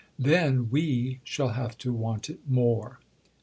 Then we shall have to want it more!"